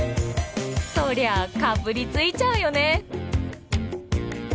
そりゃあかぶりついちゃうよね！